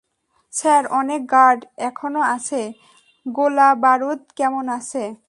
Sir, অনেক guard এখনো আছে গোলাবারুদ কেমন আছে?